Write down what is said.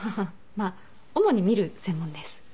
まあ主に見る専門です。